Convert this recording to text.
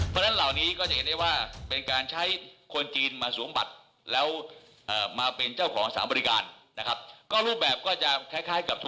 ต้องเรียกว่าเอ่อต่อมานะครับก็มาเป็นจิ้นหลิงนะครับ